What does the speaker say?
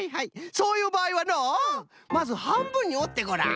そういうばあいはのまずはんぶんにおってごらん。